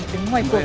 tao sợ mày á